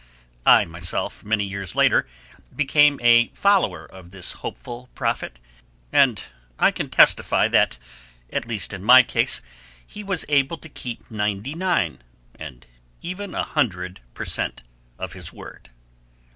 I myself many years later became a follower of this hopeful prophet, and I can testify that in my case at least he was able to keep ninety nine, and even a hundred, per cent. of his word.